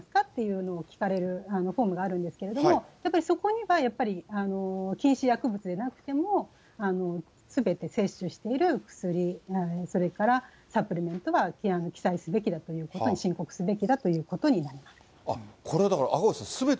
っていうのを聞かれるフォームがあるんですけれども、やっぱりそこには、やっぱり、禁止薬物でなくても、すべて摂取している薬なり、それからサプリメントは記載すべきだということに、申告すべきだということになります。